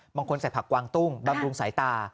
บางคนใส่ผักกวางตุ้งบำรุงสายตา